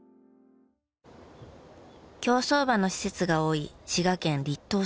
競走馬の施設が多い滋賀県栗東市。